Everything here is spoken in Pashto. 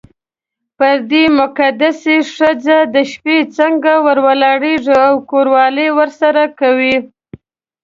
پر دې مقدسه ښځه د شپې څنګه ور ولاړېږې او کوروالی ورسره کوې.